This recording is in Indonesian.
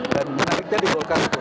dan menariknya di golkar itu